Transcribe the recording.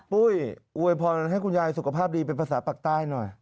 ปุ้ยอวยพรให้คุณยายสุขภาพดีเป็นภาษาปากใต้หน่อย